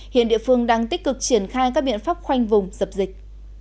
hiện địa phương đang tích cực triển khai các biện pháp khoanh vùng dập dịch